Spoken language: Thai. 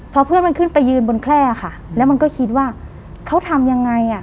พอเพื่อนมันขึ้นไปยืนบนแคล่ค่ะแล้วมันก็คิดว่าเขาทำยังไงอ่ะ